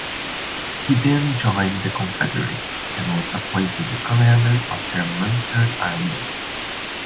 He then joined the Confederates, and was appointed the commander of their Munster Army.